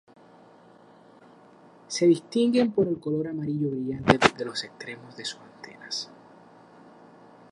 Se distinguen por el color amarillo brillante de los extremos de sus antenas.